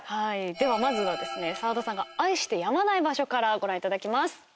ではまずはですね澤田さんが愛してやまない場所からご覧いただきます。